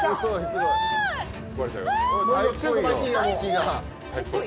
すごーい！